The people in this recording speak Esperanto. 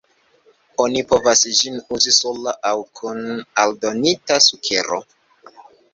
Oni povas ĝin uzi sola aŭ kun aldonita sukero.